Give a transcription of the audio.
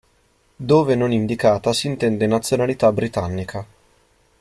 Dove non indicata si intende nazionalità britannica.